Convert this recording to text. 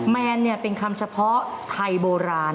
แมนเป็นคำเฉพาะไทยโบราณ